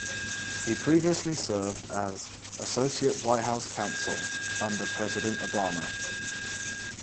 He previously served as Associate White House Counsel under President Obama.